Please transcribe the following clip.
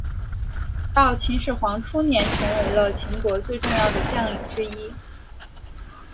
到秦始皇初年成为了秦国最重要的将领之一。